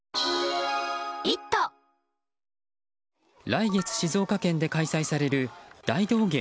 来月、静岡県で開催される大道芸